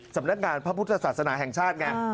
สำนักงานพระพุทธศาสนาแห่งชาติไง